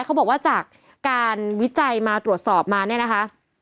เขาบอกว่าจากการวิจัยมาตรวจสอบมาเนี่ยนะคะ